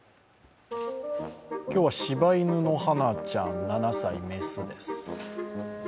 今日は柴犬のハナちゃん７歳・雌です。